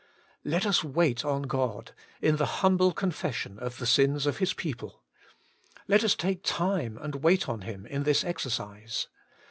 Let us wait on God, in the humble confession of the sins of His people. Let us take time and wait on Him in this exer cise.